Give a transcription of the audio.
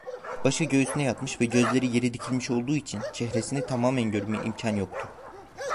Başı göğsüne yatmış ve gözleri yere dikilmiş olduğu için çehresini tamamen görmeye imkan yoktu.